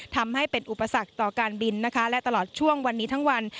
ทำให้เป็นอุปสรรคต่อการบินนะคะและตลอดช่วงวันนี้ทั้งวัน